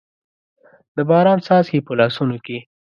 د باران څاڅکي، په لاسونو کې